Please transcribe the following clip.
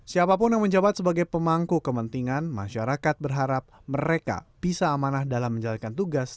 siapapun yang menjabat sebagai pemangku kepentingan masyarakat berharap mereka bisa amanah dalam menjalankan tugas